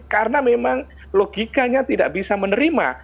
karena memang logikanya tidak bisa menerima